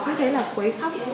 thế thế là quấy khắp